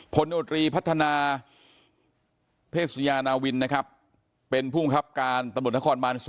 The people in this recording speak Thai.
พลนูธรีพัฒนาเพศยานาวินเป็นผู้มีคับการตบุรณฐครบาล๒